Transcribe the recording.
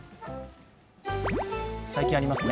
最近ありますね